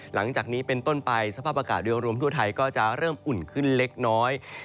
หลังจากนี้เป็นต้นไปสภาพอากาศโดยรวมทั่วไทยก็จะเริ่มอุ่นขึ้นเล็กน้อย